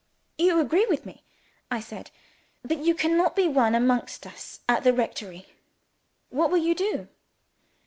"You agree with me," I said, "that you cannot be one amongst us at the rectory? What will you do?"